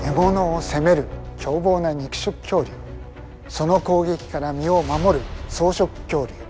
その攻撃から身を「守る」草食恐竜。